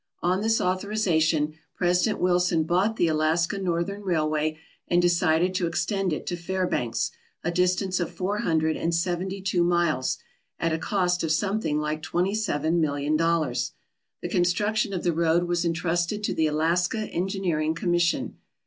On this authorization President Wilson bought the Alaska Northern Railway and decided to ex tend it to Fairbanks, a distance of four hundred and seventy two miles, at a cost of something like twenty seven million dollars. The construction of the road was entrusted to the Alaska Engineering Commission.